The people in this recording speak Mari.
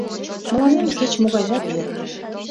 — Мыланем кеч могайжат йӧра...